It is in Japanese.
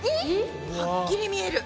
はっきり見える。